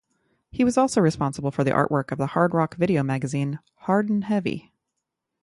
He was also responsible for the artwork of the hard rock video magazine, "Hard'n'Heavy".